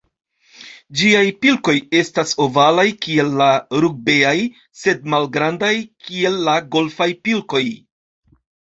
Ĝiaj pilkoj estas ovalaj kiel la rugbeaj, sed malgrandaj kiel la golfaj pilkoj.